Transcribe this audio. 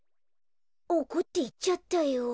おこっていっちゃったよ。